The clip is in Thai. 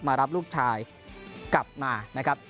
มารับลูกชายกลับมานะครับ